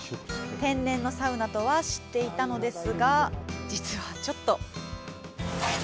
天然のサウナとは知っていたのですが実はちょっと。